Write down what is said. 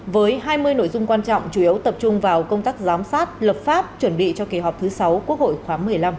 với hai mươi nội dung quan trọng chủ yếu tập trung vào công tác giám sát lập pháp chuẩn bị cho kỳ họp thứ sáu quốc hội khóa một mươi năm